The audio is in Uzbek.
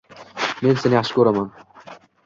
“Men seni yaxshi ko‘raman